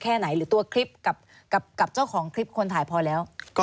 ไหนหรือตัวคลิปกับเจ้าของคลิปคนถ่ายพอแล้ว